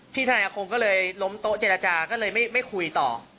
ทนายอาคมก็เลยล้มโต๊ะเจรจาก็เลยไม่คุยต่อ